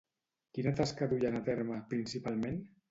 Quina tasca duien a terme, principalment?